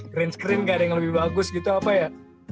cream screen gak ada yang lebih bagus gitu apa ya